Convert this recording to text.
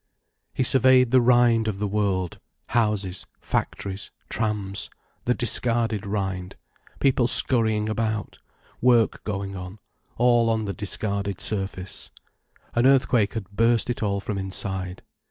He surveyed the rind of the world: houses, factories, trams, the discarded rind; people scurrying about, work going on, all on the discarded surface. An earthquake had burst it all from inside.